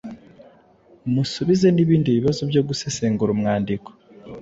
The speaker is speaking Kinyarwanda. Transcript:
musubize n’ibindi bibazo byo gusesengura umwandiko